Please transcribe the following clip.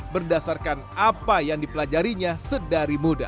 berdasarkan apa yang dipelajarinya sedari muda